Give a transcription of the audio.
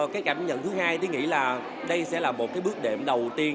cái cảm nhận thứ hai tiến nghĩ là đây sẽ là một bước đệm đầu tiên